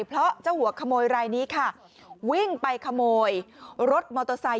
เพราะเจ้าหัวขโมยรายนี้ค่ะวิ่งไปขโมยรถมอเตอร์ไซค